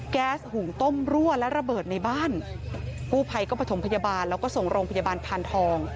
แก๊สหุงต้มรั่วและระเบิดในบ้านกู้ภัยก็ประถมพยาบาลแล้วก็ส่งโรงพยาบาลพานทอง